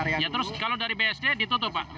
ya terus kalau dari bsd ditutup pak